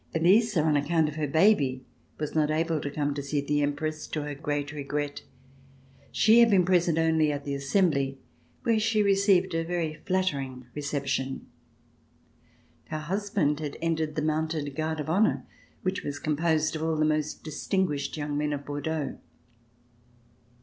Elisa, on account of her baby, was not able to come to see the Empress, to her great regret. She had been present only at the Assembly where she received a very flattering reception. Her husband had entered the mounted Guard of Honor which was composed of all the most distinguished young men of Bordeaux.